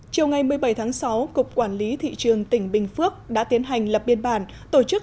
chiều ngày một mươi bảy tháng sáu cục quản lý thị trường tỉnh bình phước đã tiến hành lập biên bản tổ chức